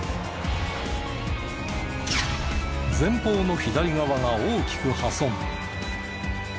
前方の左側が大きく破損。